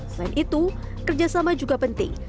selain itu kerjasama juga penting